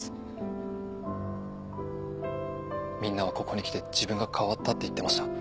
みんなはここに来て自分が変わったって言ってました。